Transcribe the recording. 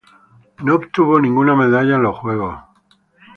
No obtuvo ninguna medalla en los juegos.